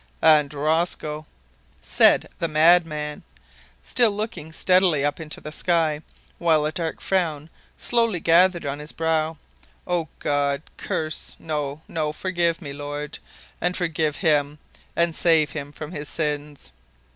"And Rosco," said the madman, still looking steadily up into the sky, while a dark frown slowly gathered on his brow "Oh! God, curse no no, no. Forgive me, Lord, and forgive him, and save him from his sins."